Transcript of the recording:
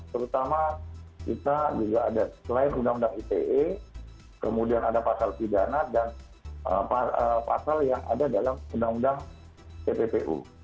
terutama kita juga ada selain undang undang ite kemudian ada pasal pidana dan pasal yang ada dalam undang undang tppu